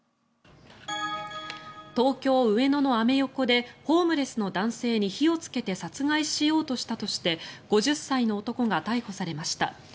東京・上野のアメ横でホームレスの男性に火をつけて殺害しようとしたとして５０歳の男が逮捕されました。